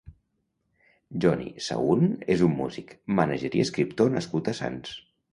Johni Sahún és un músic, mànager i escriptor nascut a Sants.